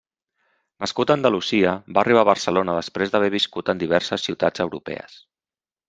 Nascut a Andalusia, va arribar a Barcelona després d'haver viscut en diverses ciutats europees.